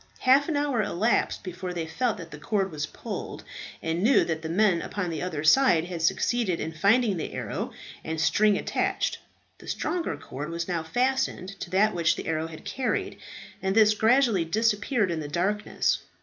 Half an hour elapsed before they felt that the cord was pulled, and knew that the men upon the other side had succeeded in finding the arrow and string attached. The stronger cord was now fastened to that which the arrow had carried, and this gradually disappeared in the darkness.